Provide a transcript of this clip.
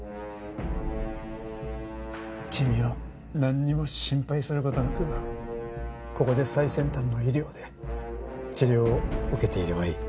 君はなんにも心配する事なくここで最先端の医療で治療を受けていればいい。